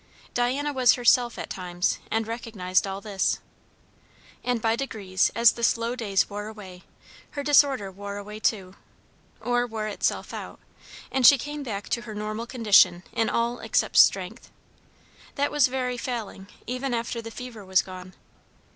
Diana was herself at times, and recognised all this. And by degrees, as the slow days wore away, her disorder wore away too, or wore itself out, and she came back to her normal condition in all except strength. That was very failing, even after the fever was gone.